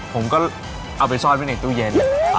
ผมก็เอาไปซ่อนไว้ในตู้เย็น